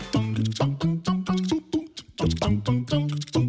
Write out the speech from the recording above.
เพื่อให้เขาแบบได้กลัวก่อน